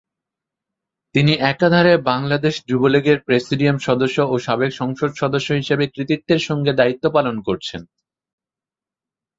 তিনি একাধারে বাংলাদেশ যুবলীগের প্রেসিডিয়াম সদস্য ও সাবেক সংসদ সদস্য হিসাবে কৃতিত্বের সঙ্গে দায়িত্ব পালন করছেন।